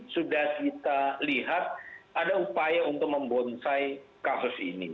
sudah kita lihat ada upaya untuk membonsai kasus ini